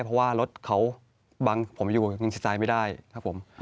เพราะว่ารถเขาบังผมอยู่นิสไตล์ไม่ได้ครับผม